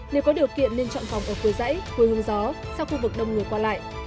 nếu có điều kiện nên chọn phòng ở khối dãy khối hương gió xa khu vực đông người qua lại